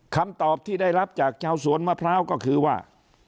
คำตอบที่ได้รับจากชาวสวนมะพร้าวก็คือว่า